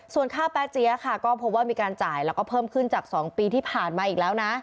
ส่วนค่าแป๊เจี๊ยะค่ะก็พบว่ามีการจ่ายแล้วก็เพิ่มขึ้นจาก๒ปีที่ผ่านมาอีกแล้วนะ